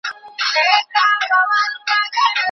مېنه خالي سي له انسانانو